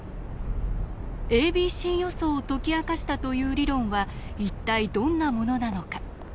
ａｂｃ予想を解き明かしたという理論は一体どんなものなのか。